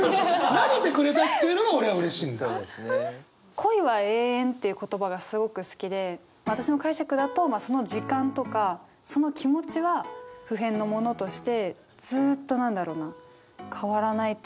「恋は永遠」って言葉がすごく好きで私の解釈だとまあその時間とかその気持ちは不変のものとしてずっと何だろうな変わらないというか